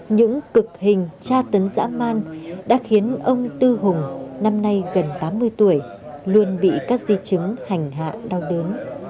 những cực hình tra tấn dã man đã khiến ông tư hùng năm nay gần tám mươi tuổi luôn bị các di chứng hành hạ đau đớn